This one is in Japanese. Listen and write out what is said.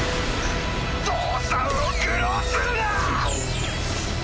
父さんを愚弄するな！